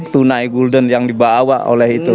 tunai gulden yang dibawa oleh itu